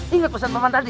ingat pesan paman tadi